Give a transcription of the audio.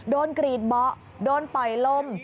กรีดเบาะโดนปล่อยลม